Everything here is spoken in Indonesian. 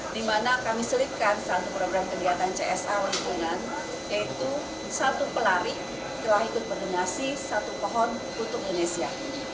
di mana kami selipkan satu program kegiatan csa lingkungan yaitu satu pelari telah ikut berdonasi satu pohon untuk indonesia